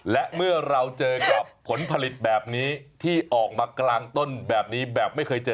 และเมื่อเราเจอกับผลผลิตแบบนี้ที่ออกมากลางต้นแบบนี้แบบไม่เคยเจอ